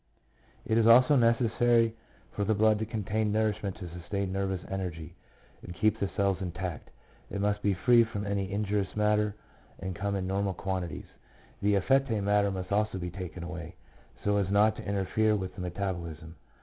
It is also necessary for the blood to contain nourishment to sustain nervous energy, and keep the cells intact; it must be free from any injurious matter, and come in normal quantities. The effete matter must also be taken away, so as not to inter fere with the metabolism.